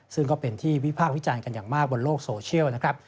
ซึ่งก็เป็นที่วิพากษ์วิจารณ์กันอย่างมากบนโลกโซเชียลนะครับ